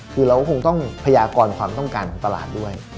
คือเราก็คงต้องพยากรความต้องการของตลาดด้วย